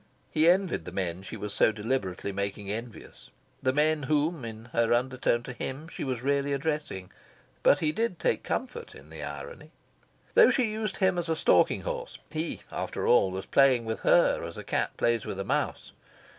He envied the men she was so deliberately making envious the men whom, in her undertone to him, she was really addressing. But he did take comfort in the irony. Though she used him as a stalking horse, he, after all, was playing with her as a cat plays with a mouse.